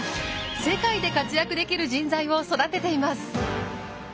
世界で活躍できる人材を育てています。